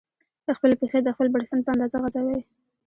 خپلې پښې د خپل بړستن په اندازه غځوئ.